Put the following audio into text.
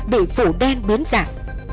bị phủ đen biến dạng